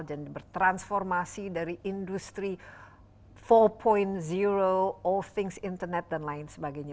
dan bertransformasi dari industri empat all things internet dan lain sebagainya